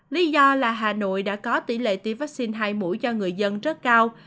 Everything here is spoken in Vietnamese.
lý do là hà nội đã có tỷ lệ tiêm vaccine hai mũi cho người dân rất cao